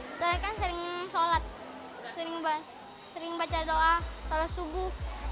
kita kan sering sholat sering baca doa sholat subuh